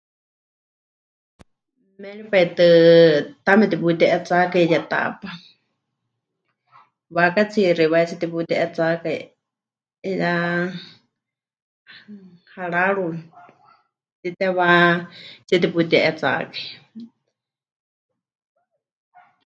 Méripai tɨ taame teputi'etsákai yetaápa, waakátsiixi wahetsíe teputi'etsákai, 'iyá hararu mɨtitewátsie teputi'etsákai.